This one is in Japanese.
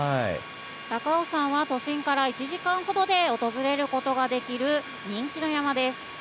高尾山は都心から１時間ほどで訪れることができる人気の山です。